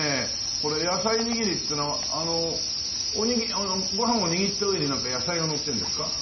これ野菜握りってのはご飯を握った上に野菜がのってるんですか？